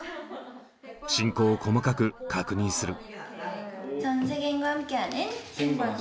進行を細かく確認する。